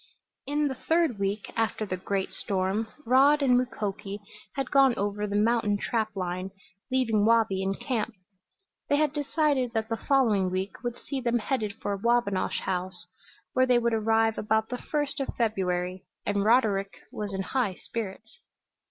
In the third week after the great storm Rod and Mukoki had gone over the mountain trap line, leaving Wabi in camp. They had decided that the following week would see them headed for Wabinosh House, where they would arrive about the first of February, and Roderick was in high spirits.